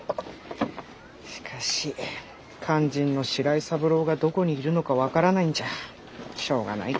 しかし肝心の白井三郎がどこにいるのか分からないんじゃしょうがないか。